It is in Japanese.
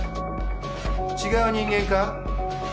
違う人間か？